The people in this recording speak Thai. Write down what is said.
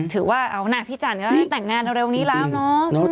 ถือว่าเอานะพี่จันก็แต่งงานเร็วนี้แล้วเนาะ